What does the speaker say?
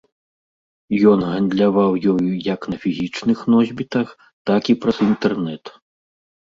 Ён гандляваў ёю як на фізічных носьбітах, так і праз інтэрнэт.